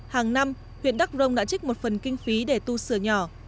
hàng năm huyện đắk rông đã trích một phần kinh phí để tu sửa nhỏ